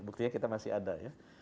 buktinya kita masih ada ya